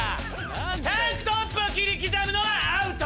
タンクトップを切り刻むのはアウト！